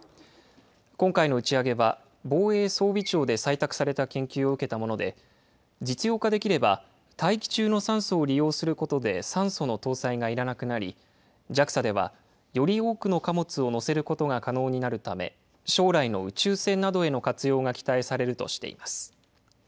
今回の打ち上げは、防衛装備庁で採択した研究を受けたもので、実用化できれば、大気中の酸素を利用することで酸素の搭載がいらなくなり、ＪＡＸＡではより多くの貨物を載せることが可能になるため、将来の宇宙船などへの活用が期待されるとしています。